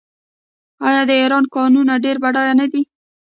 آیا د ایران کانونه ډیر بډایه نه دي؟